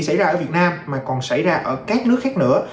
không chỉ xảy ra ở việt nam mà còn xảy ra ở các nước khác nữa